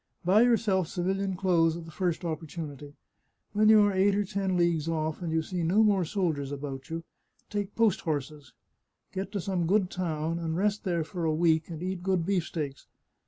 Buy yourself civilian clothes at the first opportunity. When you are eight or ten leagues oflf, and you see no more soldiers about you, take post horses, get to some good town, and rest there for a week, and eat good beefsteaks.